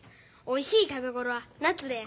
おいしい食べごろは夏で。